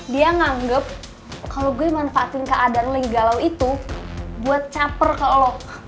dia nganggep kalau gue manfaatin keadaan lo yang galau itu buat caper ke lo